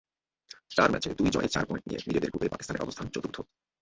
চার ম্যাচে দুই জয়ে চার পয়েন্ট নিয়ে নিজেদের গ্রুপে পাকিস্তানের অবস্থান চতুর্থ।